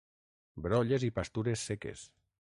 Brolles i pastures seques.